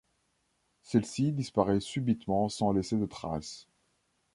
Celle-ci disparait subitement sans laisser de traces.